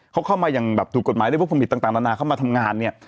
เขาเข้ามาอย่างแบบถูกกฎหมายด้วยพวกผมผิดต่างนานาเข้ามาทำงานเนี่ย